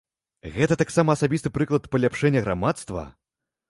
Гэта таксама асабісты прыклад паляпшэння грамадства?